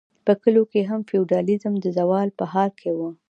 په کلیو کې هم فیوډالیزم د زوال په حال و.